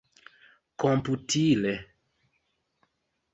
komputile